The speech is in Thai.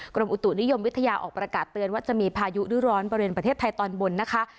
กรมอุตุนิยมวิทยาออกประกาศเตือนว่าจะมีพายุดูร้อนบริเวณประเทศไทยตอนบนนะคะ